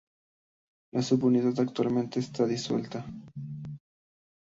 La sub-unidad actualmente está disuelta.